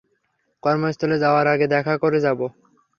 কর্মস্থলে যাওয়ার আগে দেখা করে যাব।